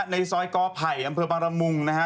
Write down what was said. ในซอยกอไผ่อำเภอบางรมุงนะฮะ